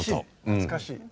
懐かしいね。